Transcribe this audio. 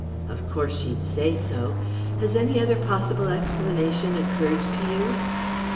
"Of course she'd say so. Has any other possible explanation occurred to you?"